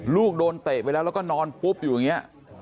ลูกโดนเตะไปแล้วแล้วก็นอนปุ๊บอยู่อย่างนี้